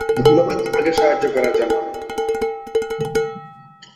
ধন্যবাদ আমাকে সাহায্য করার জন্য।